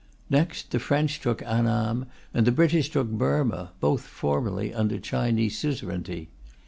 Next, the French took Annam and the British took Burma, both formerly under Chinese suzerainty.